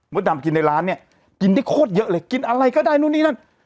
ดำกินในร้านเนี่ยกินได้โคตรเยอะเลยกินอะไรก็ได้นู่นนี่นั่น